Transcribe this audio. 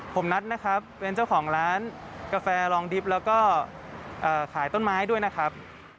ผมนัดนะครับเป็นเจ้าของร้านกาแฟรองดิบแล้วก็ขายต้นไม้ด้วยนะครับ